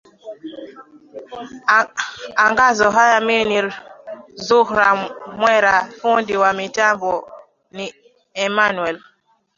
angazo haya mimi ni zuhra mwera fundi wa mitambo ni emanuel